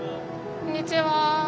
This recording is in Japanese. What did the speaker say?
こんにちは。